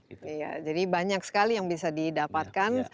jadi ini adalah hal yang sangat baik sekali yang bisa didapatkan